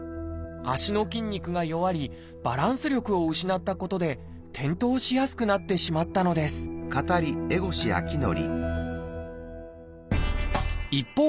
足の筋肉が弱りバランス力を失ったことで転倒しやすくなってしまったのです一方